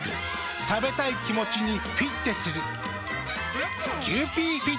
食べたい気持ちにフィッテする。